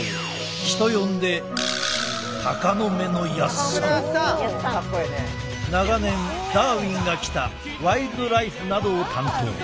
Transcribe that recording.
人呼んで長年「ダーウィンが来た！」「ワイルドライフ」などを担当。